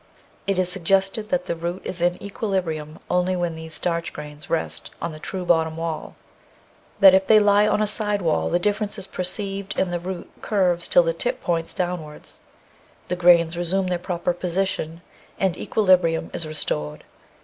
It 620 The Outline of Science is suggested that the root is in equilibrium only when these starch grains rest on the true bottom wall ; that if they lie on a side wall the difference is perceived, and the root curves till the tip points downwards, the grains resume their proper position, and equili brium is restored.